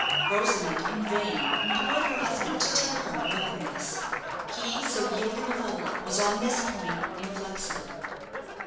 Rosamond in vain implored her husband to tell her more than this. He, so yielding of old, was on this point inflexible.